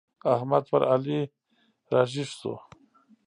احمد پر علي را ږيز شو.